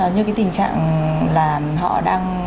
như cái tình trạng là họ đang